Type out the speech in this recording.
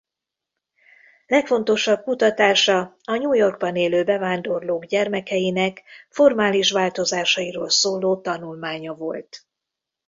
Legfontosabb kutatása a New York-ban élő bevándorlók gyermekeinek formális változásairól szóló tanulmánya volt.